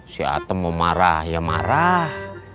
si atem mau marah ya marah